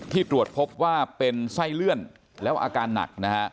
ตรวจพบว่าเป็นไส้เลื่อนแล้วอาการหนักนะฮะ